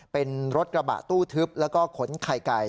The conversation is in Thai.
เป็นรถกระบะตู้ทึบแล้วก็ขนไข่ไก่